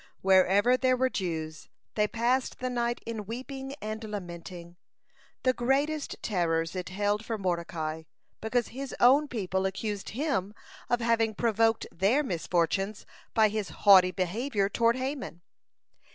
Wherever there were Jews, they passed the night in weeping and lamenting. The greatest terrors it held for Mordecai, because his own people accused him of having provoked their misfortunes by his haughty behavior toward Haman.